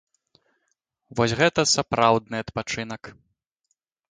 Вось гэта сапраўдны адпачынак!